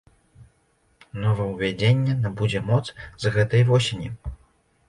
Новаўвядзенне набудзе моц з гэтай восені.